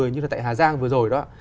như là tại hà giang vừa rồi đó